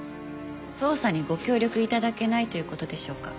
捜査にご協力頂けないという事でしょうか？